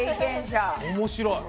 面白い。